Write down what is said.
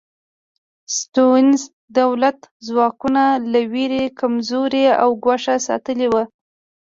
سټیونز دولتي ځواکونه له وېرې کمزوري او ګوښه ساتلي وو.